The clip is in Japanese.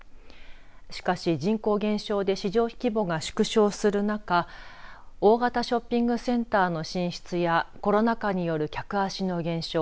しかし、人口減少で市場規模が縮小する中大型ショッピングセンターの進出やコロナ禍による客足の減少